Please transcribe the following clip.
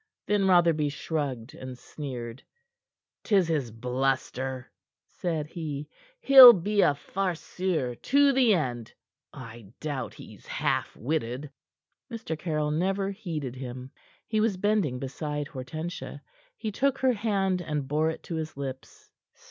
Then Rotherby shrugged and sneered. "'Tis his bluster," said he. "He'll be a farceur to the end. I doubt he's half witted." Mr. Caryll never heeded him. He was bending beside Hortensia. He took her hand, and bore it to his lips.